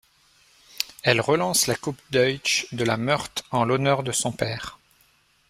Elle relance la Coupe Deutsch de la Meurthe en l'honneur de son père.